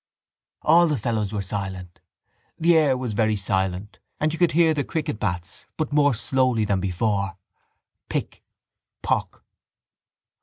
All the fellows were silent. The air was very silent and you could hear the cricket bats but more slowly than before: pick, pock.